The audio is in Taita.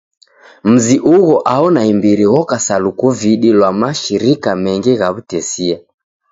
Mzi ugho aho naimbiri ghoka sa lukuvudi lwa mashirika mengi gha w'utesia.